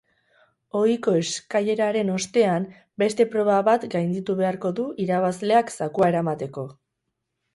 Ohiko eskaileraren ostean, beste proba bat gainditu beharko du irabazleak zakua eramateko.